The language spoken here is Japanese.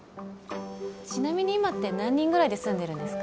ちなみに今って何人ぐらいで住んでるんですか？